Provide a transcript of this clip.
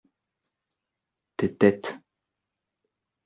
Tes têtes.